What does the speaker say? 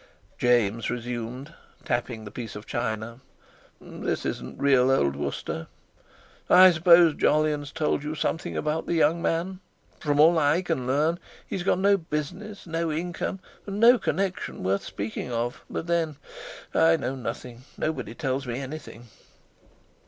James resumed, tapping the piece of china: "This isn't real old Worcester. I s'pose Jolyon's told you something about the young man. From all I can learn, he's got no business, no income, and no connection worth speaking of; but then, I know nothing—nobody tells me anything."